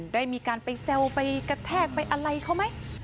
ได้มีการไปแซวไปกระแทกไปอะไรเขาไหม